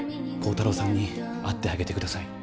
耕太郎さんに会ってあげて下さい。